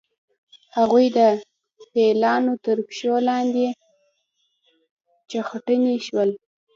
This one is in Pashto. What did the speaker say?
هغوی د پیلانو تر پښو لاندې چخڼي شول.